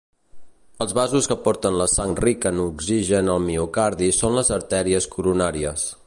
Els vasos que porten la sang rica en oxigen al miocardi són les artèries coronàries.